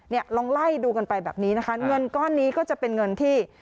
ลองไล่ดูกันไปแบบนี้นะคะเงินก้อนนี้ก็จะเป็นเงินที่